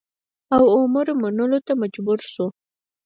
اوامرو منلو ته مجبور شو.